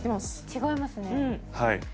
違いますね。